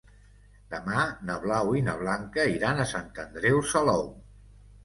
Demà na Blau i na Blanca iran a Sant Andreu Salou.